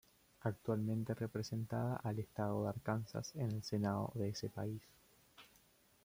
Actualmente representada al estado de Arkansas en el Senado de ese país.